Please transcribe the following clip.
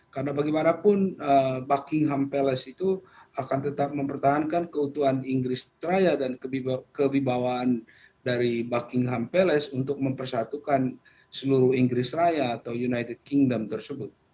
karena bagaimanapun buckingham palace itu akan tetap mempertahankan keutuhan inggris raya dan kebibawaan dari buckingham palace untuk mempersatukan seluruh inggris raya atau united kingdom tersebut